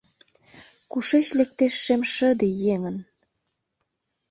Кушеч лектеш шем шыде еҥын?